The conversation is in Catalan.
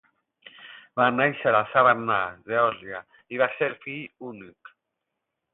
Va néixer a Savannah, Geòrgia, i va ser fill únic.